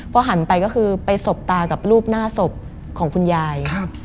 พอหันไปก็คือไปสบตากับรูปหน้าศพของคุณยาย